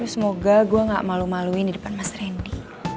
semoga gue gak malu maluin di depan mas randy